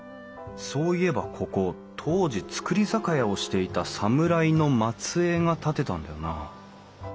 そういえばここ当時造り酒屋をしていた侍の末えいが建てたんだよなあ。